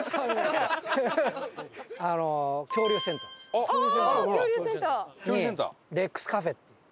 ああー！恐竜センター！にレックスカフェっていう。